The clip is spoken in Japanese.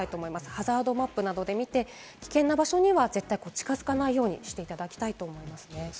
ハザードマップなどで見て、危険な場所には近づかないようにしていただきたいと思いますね。